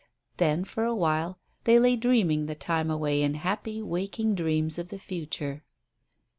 Then, for a while, they lay dreaming the time away in happy waking dreams of the future.